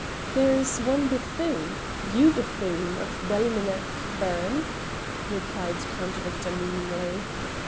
"There is one Bethune Hugh Bethune of Ballimeanach, Baron," replied Count Victor meaningly.